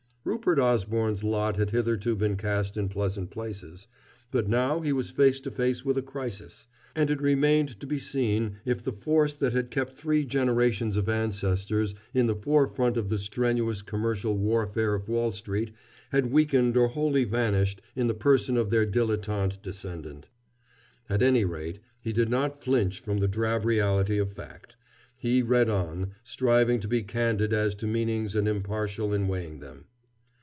Rupert Osborne's lot had hitherto been cast in pleasant places, but now he was face to face with a crisis, and it remained to be seen if the force that had kept three generations of ancestors in the forefront of the strenuous commercial warfare of Wall Street had weakened or wholly vanished in the person of their dilettante descendant. At any rate, he did not flinch from the drab reality of fact. He read on, striving to be candid as to meanings and impartial in weighing them.